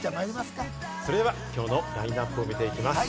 それでは今日のラインナップを見てまいります。